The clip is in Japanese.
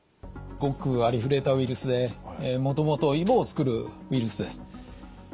ごくありふれたウイルスでもともといぼをつくるウイルスです。